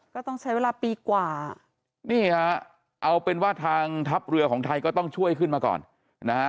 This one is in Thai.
ก็ต้องใช้เวลาปีกว่านี่ฮะเอาเป็นว่าทางทัพเรือของไทยก็ต้องช่วยขึ้นมาก่อนนะฮะ